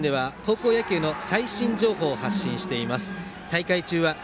「ＮＨＫ甲子園」では高校野球の最新情報を発信しています。